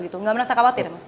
tidak merasa khawatir mas